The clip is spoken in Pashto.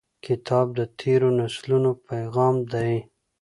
کتاب د تیرو نسلونو پیغام دی.